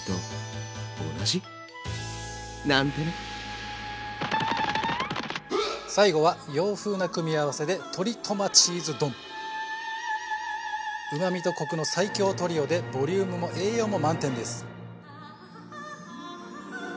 それって最後は洋風な組み合わせでうまみとコクの最強トリオでボリュームも栄養も満点です。